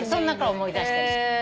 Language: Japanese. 思い出したりして。